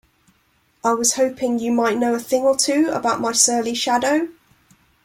I was hoping you might know a thing or two about my surly shadow?